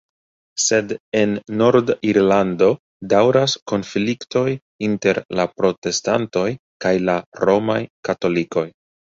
Sed en Nord-Irlando daŭras konfliktoj inter la protestantoj kaj la romaj katolikoj.